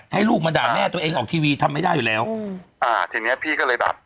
ให้ลูกมาด่าแม่ตัวเองออกทีวีทำไม่ได้อยู่แล้วอืมอ่าทีเนี้ยพี่ก็เลยแบบ